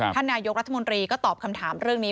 ท่านนายกรัฐมนตรีก็ตอบคำถามเรื่องนี้